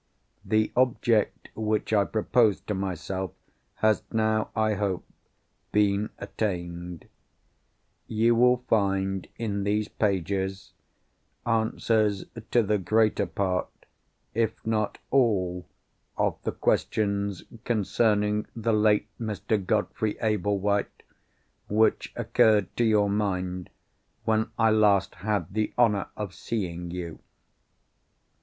The object which I proposed to myself has now, I hope, been attained. You will find, in these pages, answers to the greater part—if not all—of the questions, concerning the late Mr. Godfrey Ablewhite, which occurred to your mind when I last had the honour of seeing you.